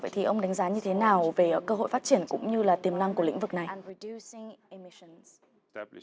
vậy thì ông đánh giá như thế nào về cơ hội phát triển